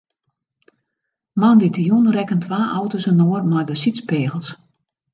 Moandeitejûn rekken twa auto's inoar mei de sydspegels.